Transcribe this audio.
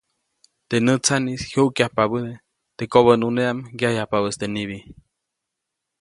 Teʼ nätsaʼnis jyuʼkpabädeʼe teʼ kobänʼunedaʼm yajyajpabäʼis teʼ nibi.